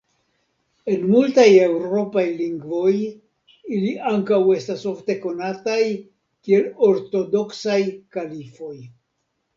En multaj eŭropaj lingvoj ili ankaŭ estas ofte konataj kiel ortodoksaj kalifoj.